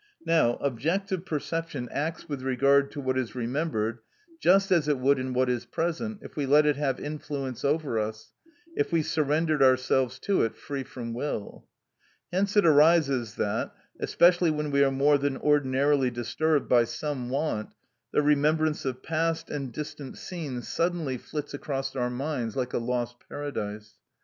Now, objective perception acts with regard to what is remembered just as it would in what is present, if we let it have influence over us, if we surrendered ourselves to it free from will. Hence it arises that, especially when we are more than ordinarily disturbed by some want, the remembrance of past and distant scenes suddenly flits across our minds like a lost paradise.